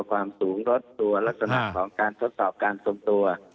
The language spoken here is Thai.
ความสูงรถตัวลักษณะของการทดสอบการทรงตัว